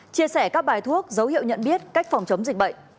chia sẻ các bài thuốc dấu hiệu nhận biết cách phòng chống dịch bệnh